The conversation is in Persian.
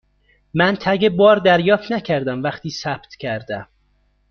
من تگ بار دریافت نکردم وقتی ثبت کردم.